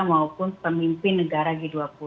maupun pemimpin negara g dua puluh